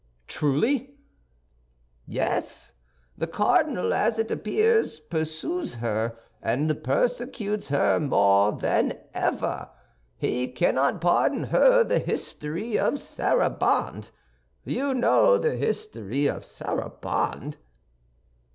"Truly!" "Yes. The cardinal, as it appears, pursues her and persecutes her more than ever. He cannot pardon her the history of the Saraband. You know the history of the Saraband?"